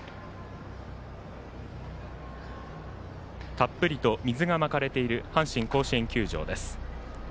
たっぷりと水がまかれている阪神甲子園球場です。